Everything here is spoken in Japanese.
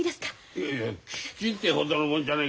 いやいやキッチンってほどのもんじゃねえ